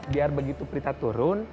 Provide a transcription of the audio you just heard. biar begitu berita turun